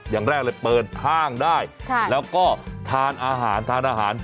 อย่างแรกเลยเปิดห้างได้แล้วก็ทานอาหารทานอาหาร